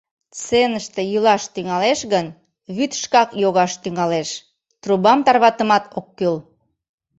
Сценыште йӱлаш тӱҥалеш гын, вӱд шкак йогаш тӱҥалеш, трубам тарватымат ок кӱл.